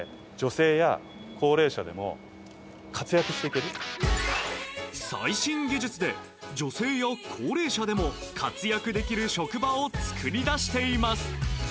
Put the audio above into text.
更に最新技術で女性や高齢者でも活躍できる職場をつくり出しています。